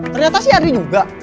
ternyata sih ardi juga